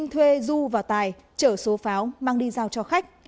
tuê du vào tài chở số pháo mang đi giao cho khách